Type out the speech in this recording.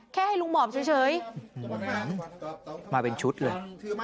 ให้ลุงหมอบเฉยมาเป็นชุดเลย